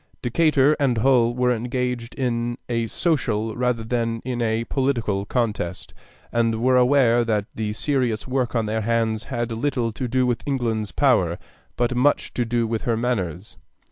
Decatur and Hull were engaged in a social rather than in a political contest, and were aware that the serious work on their hands had little to do with England's power, but much to do with her manners.